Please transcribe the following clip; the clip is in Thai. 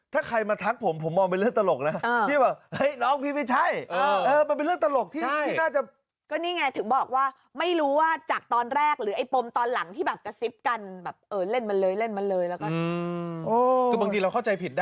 ที่น่าจะใช่